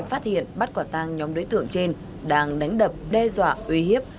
phát hiện bắt quả tang nhóm đối tượng trên đang đánh đập đe dọa uy hiếp